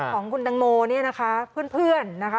ของคุณตังโมเนี่ยนะคะเพื่อนนะคะ